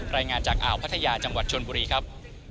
รายงานจากอ่าวพัทยาจังหวัดชนบุรีครับ